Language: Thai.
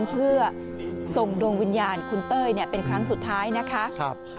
เพื่อส่งดวงวิญญาณคุณเต้ยเป็นครั้งสุดท้ายนะคะ